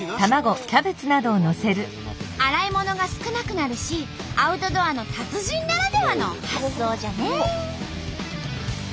洗い物が少なくなるしアウトドアの達人ならではの発想じゃね！